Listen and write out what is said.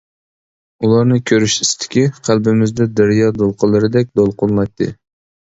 ئۇلارنى كۆرۈش ئىستىكى قەلبىمىزدە دەريا دولقۇنلىرىدەك دولقۇنلايتتى.